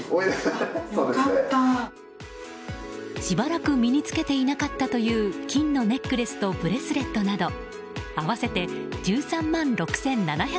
しばらく身に着けていなかったという金のネックレスとブレスレットなど合わせて１３万６７００円。